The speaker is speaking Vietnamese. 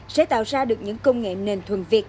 sẽ tạo ra được những công nghệ nền thuần việt